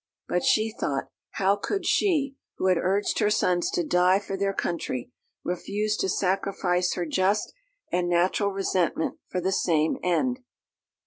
But she thought, how could she, who had urged her sons to die for their country, refuse to sacrifice her just and natural resentment for the same end?